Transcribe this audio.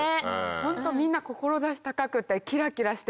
ホントみんな志高くてキラキラしてて。